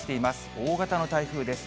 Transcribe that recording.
大型の台風です。